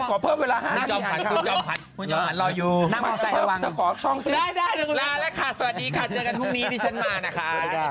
ขอเพิ่มไปไหนหนึ่งห้านาทีอ่านข่าวดีกว่านะ